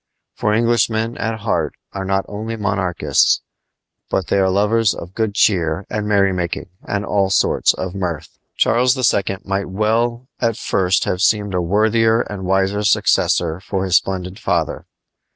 For Englishmen at heart are not only monarchists, but they are lovers of good cheer and merrymaking and all sorts of mirth. Charles II. might well at first have seemed a worthier and wiser successor to his splendid father.